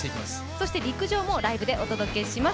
そして、陸上もライブでお届けします。